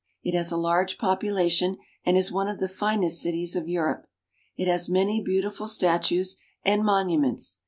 It has a large population and is one of the finest cities of Europe. It has many beautiful statues and monuments.